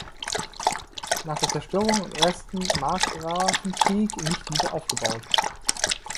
Nach der Zerstörung im Ersten Markgrafenkrieg nicht wieder aufgebaut.